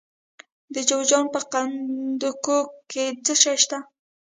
د جوزجان په جرقدوق کې څه شی شته؟